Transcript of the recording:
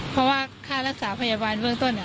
เพราะว่าค่ารักษาพยาบาลเบื้องต้น